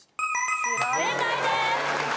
正解です！